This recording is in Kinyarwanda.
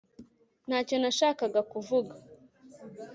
ntacyo nashakaga kuvuga